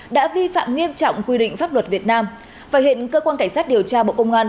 đã vi phạm nghiêm trọng quy định pháp luật việt nam và hiện cơ quan cảnh sát điều tra bộ công an